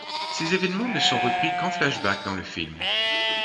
Ces événements ne sont repris qu’en flash-back dans le film.